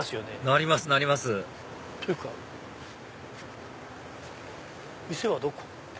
なりますなりますというか店はどこ？